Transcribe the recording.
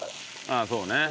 ああそうね。